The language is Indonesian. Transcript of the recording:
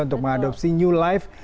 untuk mengadopsi new life